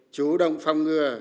chủ động phòng ngừa